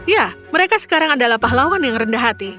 ya mereka sekarang adalah pahlawan yang rendah hati